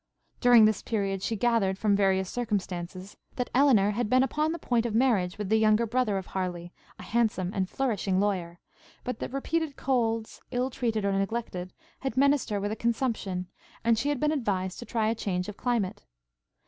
During this period, she gathered, from various circumstances, that Elinor had been upon the point of marriage with the younger brother of Harleigh, a handsome and flourishing lawyer; but that repeated colds, ill treated, or neglected, had menaced her with a consumption, and she had been advised to try a change of climate.